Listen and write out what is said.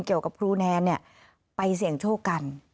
เกี่ยวกับครูแนนเนี่ยไปเสี่ยงโชคกัน